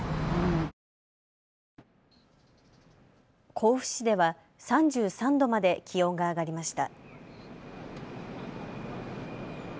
甲府市では３３度まで気温が上がりました。